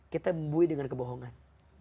kita membuih dengan kebohongan